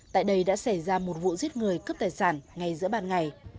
tại đây đã xảy ra một vụ giết người cướp tài sản ngay giữa ban ngày